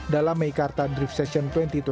dalam meikarta drift session dua ribu dua puluh